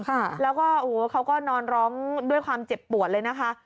ค่ะแล้วก็โอ้โหเขาก็นอนร้องด้วยความเจ็บปวดเลยนะคะ